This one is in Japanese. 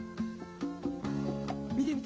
見て見て。